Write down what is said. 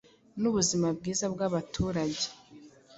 n'ubuzima bwiza bw'abaturage